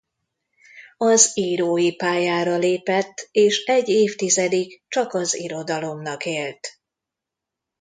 Az írói pályára lépett és egy évtizedig csak az irodalomnak élt.